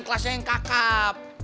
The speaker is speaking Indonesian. kelasnya yang kakap